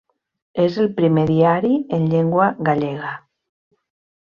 És el primer diari en llengua gallega.